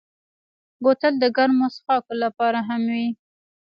بوتل د ګرمو څښاکو لپاره هم وي.